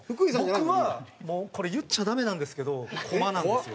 僕はもうこれ言っちゃダメなんですけど駒なんですよ。